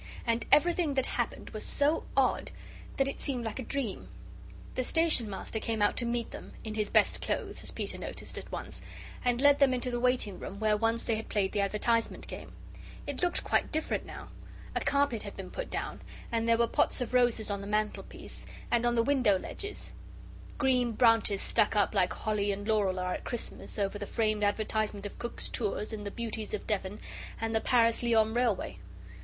And everything that happened was so odd that it seemed like a dream. The Station Master came out to meet them in his best clothes, as Peter noticed at once and led them into the waiting room where once they had played the advertisement game. It looked quite different now. A carpet had been put down and there were pots of roses on the mantelpiece and on the window ledges green branches stuck up, like holly and laurel are at Christmas, over the framed advertisement of Cook's Tours and the Beauties of Devon and the Paris Lyons Railway.